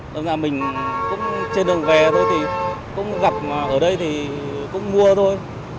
đồng thời mình cũng trên đường về thôi thì cũng gặp ở đây thì cũng mua thôi